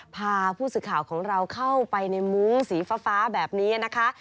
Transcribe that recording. พาผู้สื่อข่าวของเราเข้าไปในมุ้งสีฟ้าแบบนี้นะคะ